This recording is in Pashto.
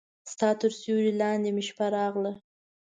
ستا تر سیوري لاندې مې شپه راغله